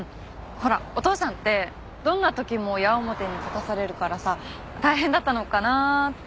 ほらお父さんってどんな時も矢面に立たされるからさ大変だったのかなって。